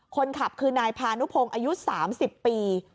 คนขับคือนายพานุพงศ์อายุ๓๐ปี